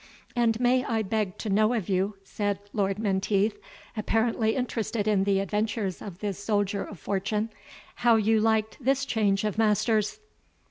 "And may I beg to know of you," said Lord Menteith, apparently interested in the adventures of this soldier of fortune, "how you liked this change of masters?"